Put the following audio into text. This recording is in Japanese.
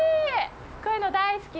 こういうの大好き。